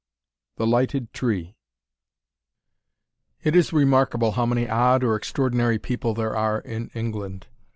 "THE LIGHTED TREE" It is remarkable how many odd or extraordinary people there are in England.